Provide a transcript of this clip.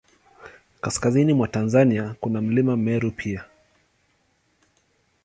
Kaskazini mwa Tanzania, kuna Mlima Meru pia.